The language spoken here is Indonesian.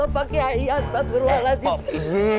pak kihayi atas berwala